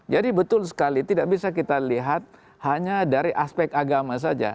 jadi betul sekali tidak bisa kita lihat hanya dari aspek agama saja